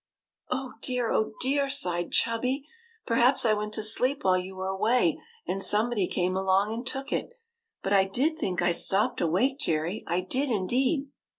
" Oh dear, oh dear !" sighed Chubby. '' Per haps I went to sleep while you were away, and somebody came along and took it. But I did think I stopped awake, Jerry; I did indeed!"